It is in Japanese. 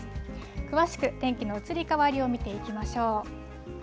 詳しく天気の移り変わりを見ていきましょう。